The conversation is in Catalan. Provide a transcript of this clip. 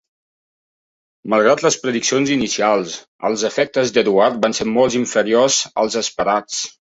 Malgrat les prediccions inicials, els efectes d'Eduard van ser molt inferiors als esperats.